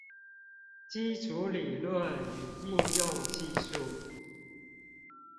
基礎理論與應用技術